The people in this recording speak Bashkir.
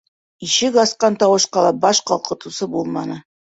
Ишек асҡан тауышҡа ла баш ҡалҡытыусы булманы.